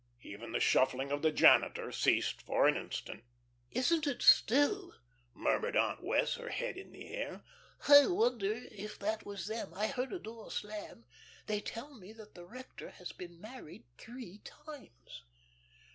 Even the shuffling of the janitor ceased for an instant. "Isn't it still?" murmured Aunt Wess', her head in the air. "I wonder if that was them. I heard a door slam. They tell me that the rector has been married three times."